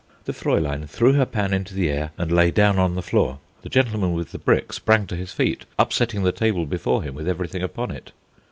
The Fraulein threw her pan into the air and lay down on the floor. The gentleman with the brick sprang to his feet, upsetting the table before him with everything upon it.